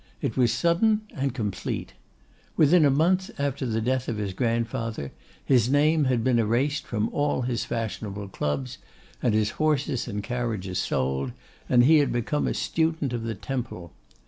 It was sudden and complete. Within a month after the death of his grandfather his name had been erased from all his fashionable clubs, and his horses and carriages sold, and he had become a student of the Temple.